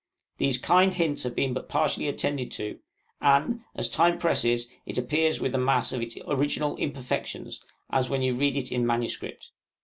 These kind hints have been but partially attended to, and, as time presses, it appears with the mass of its original imperfections, as when you read it in manuscript.